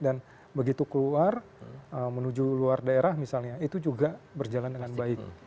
dan begitu keluar menuju luar daerah misalnya itu juga berjalan dengan baik